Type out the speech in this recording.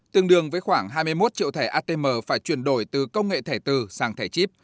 tương đương với khoảng hai mươi một triệu thẻ atm phải chuyển đổi từ công nghệ thẻ tư sang thẻ chip